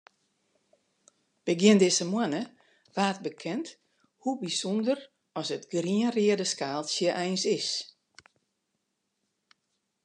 Begjin dizze moanne waard bekend hoe bysûnder as it grien-reade skaaltsje eins is.